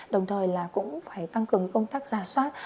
đồng thời cũng phải tăng cường công tác ra soát